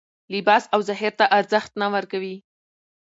لباس او ظاهر ته ارزښت نه ورکوي